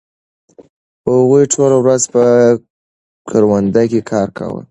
هغوی ټوله ورځ په کروندو کې کار کاوه.